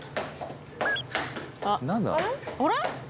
あれ？